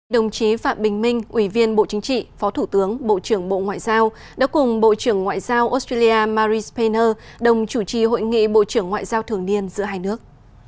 đồng chí phạm bình minh ủy viên bộ chính trị phó thủ tướng bộ trưởng bộ ngoại giao đã cùng bộ trưởng ngoại giao australia mary spaner đồng chủ trì hội nghị bộ trưởng ngoại giao thường niên giữa hai nước